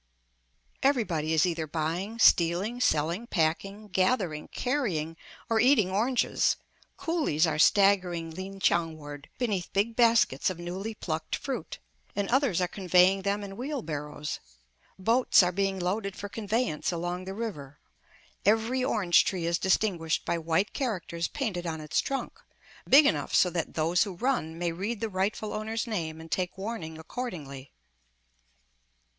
Everybody is either buying, stealing, selling, packing, gathering, carrying, or eating oranges; coolies are staggering Lin kiang ward beneath big baskets of newly plucked fruit, and others are conveying them in wheelbarrows; boats are being loaded for conveyance along the river. Every orange tree is distinguished by white characters painted on its trunk, big enough so that those who run may read the rightful owner's name and take warning accordingly.